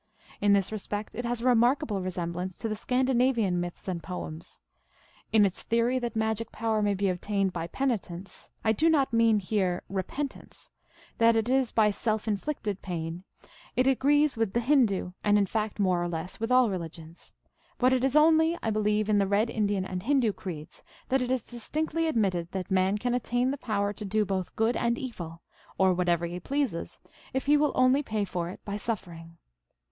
In this respect it has a remarkable resemblance to the Scan dinavian myths and poems. In its theory that magic power may be obtained by " penitence," 1 do not mean here " repentance," that is by self inflicted pain, it agrees with the Hindoo, and in fact more or less with all religions. But it is only, I believe, in the red Indian and Hindoo creeds that it is distinctly ad mitted that man can attain the power to do both good and evil, or whatever he pleases, if he will only pay for it by suffering.